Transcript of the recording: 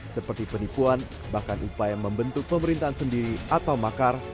seperti penipuan bahkan upaya membentuk pemerintahan sendiri atau makar